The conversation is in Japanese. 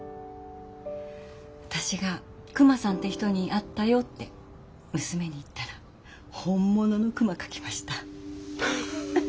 私がクマさんって人に会ったよって娘に言ったら本物のクマ描きました。